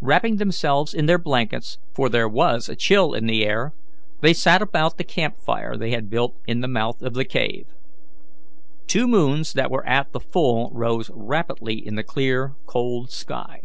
Wrapping themselves in their blankets for there was a chill in the air they sat about the camp fire they had built in the mouth of the cave. Two moons that were at the full rose rapidly in the clear, cold sky.